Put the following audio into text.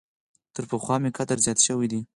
تر پخوا مي قدر زیات شوی دی .